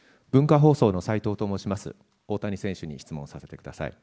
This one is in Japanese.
大谷選手に質問させてください。